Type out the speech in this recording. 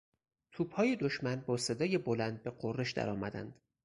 توپهای دشمن با صدای بلند به غرش درآمدند.